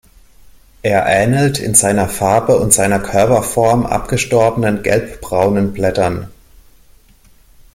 Er ähnelt in seiner Farbe und seiner Körperform abgestorbenen gelbbraunen Blättern.